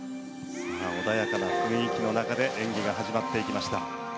穏やかな雰囲気の中で演技が始まっていきました。